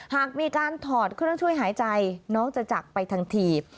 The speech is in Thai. หากมีการถอดเครื่องช่วยหายใจน้องจะจักรไปทันที